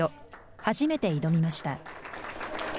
初めて挑みました。